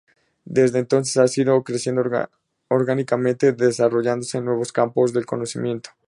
Desde entonces, ha ido creciendo orgánicamente y desarrollándose en nuevos campos del conocimiento.